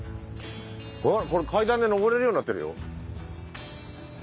おっこれ階段で上れるようになってるよ。